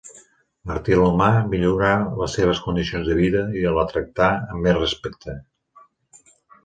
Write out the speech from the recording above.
Martí l'Humà millorà les seves condicions de vida i la tractà amb més respecte.